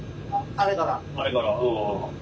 あれから。